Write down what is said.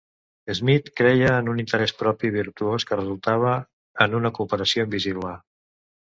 Smith creia en un interès propi virtuós que resultava en una cooperació invisible.